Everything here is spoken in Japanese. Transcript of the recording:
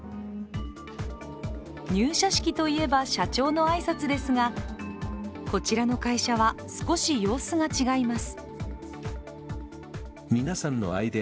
入社式といえば社長の挨拶ですがこちらの会社は、少し様子が違います。